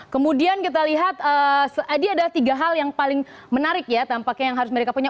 kemudian kita lihat ini adalah tiga hal yang paling menarik ya tampaknya yang harus mereka punya